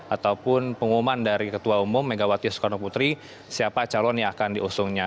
ataupun pengumuman dari ketua umum megawati soekarno putri siapa calon yang akan diusungnya